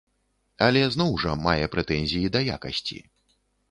Але зноў жа, мае прэтэнзіі да якасці.